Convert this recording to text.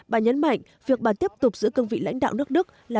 bà nhấn mạnh việc bà tiếp tục giữ cương vị lãnh đạo nước đức là